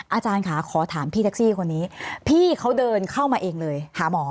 อาจารย์ค่ะขอถามพี่แท็กซี่คนนี้พี่เขาเดินเข้ามาเองเลยหาหมอ